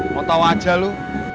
mau tau aja lu